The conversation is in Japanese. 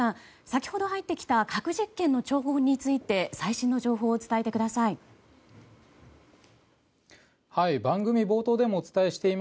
先ほど入ってきた核実験の兆候について最新の情報を伝えてください。